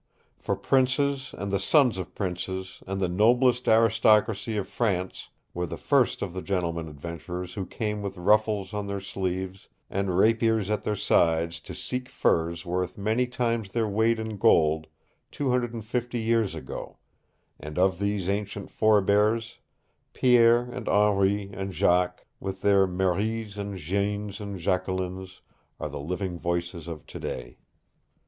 For princes and the sons of princes and the noblest aristocracy of France were the first of the gentlemen adventurers who came with ruffles on their sleeves and rapiers at their sides to seek furs worth many times their weight in gold two hundred and fifty years ago, and of these ancient forebears Pierre and Henri and Jacques, with their Maries and Jeannes and Jacquelines, are the living voices of today.